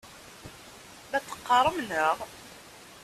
La t-teqqarem, naɣ?